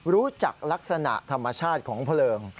รู้จักลักษณะธรรมชาติของเพลิง